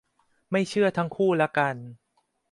ไม่เชื่อทั้งคู่ละกัน